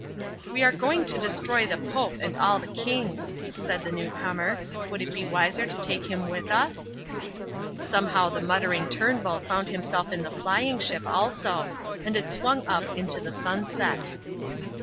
"We are going to destroy the Pope and all the kings," said the new comer. "Would it be wiser to take him with us?" Somehow the muttering Turnbull found himself in the flying ship also, and it swung up into the sunset.